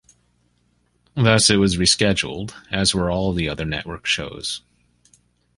Thus it was rescheduled, as were all of the other network shows.